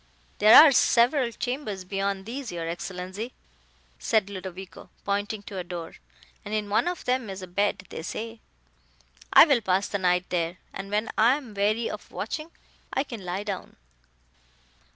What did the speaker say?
"There are several chambers beyond these, your Excellenza," said Ludovico, pointing to a door, "and in one of them is a bed, they say. I will pass the night there, and when I am weary of watching, I can lie down."